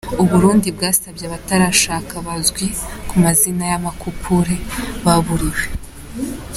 Uburundi bwasabye abatarashaka bazwi ku mazina y’amakupure baburiwe.